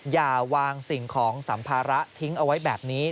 อย่าวางสิ่งของสัมภาระทิ้งเอาไว้แบบนี้